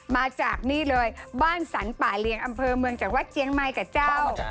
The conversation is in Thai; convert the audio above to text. มาจากนี่เลยบ้านสรรป่าเลียงอำเภอเมืองจากวัดเจียงใหม่กับเจ้า